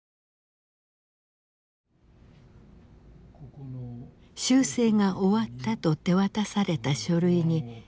修正が終わったと手渡された書類に島田さんは署名した。